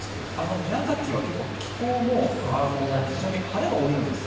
宮崎は結構、気候も晴れが多いんですって。